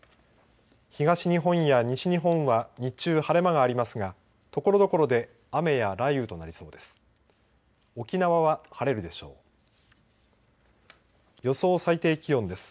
東日本や西日本は日中、晴れ間がありますがところどころで雨や雷雨となりそうです。